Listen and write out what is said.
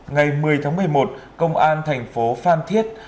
ngày một mươi tháng một mươi một công an thành phố phan thiết